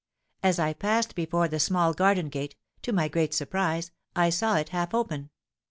As I passed before the small garden gate, to my great surprise I saw it half open.